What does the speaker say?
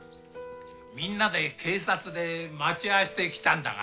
みんなで警察で待ち合わせて来たんだが。